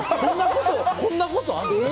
こんなことあるんだ！